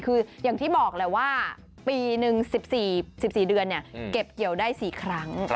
คืออย่างที่บอกแหละว่าปีหนึ่ง๑๔เดือนเก็บเกี่ยวได้๔ครั้ง